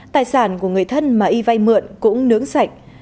tài sản của người thân mà y vay mượn cũng nướng sạch